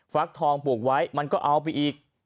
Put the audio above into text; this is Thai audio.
ฟักทองปลูกไว้มันก็เอาไปอีก